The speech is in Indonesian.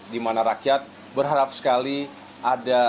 di mana rakyat berharap sekali ada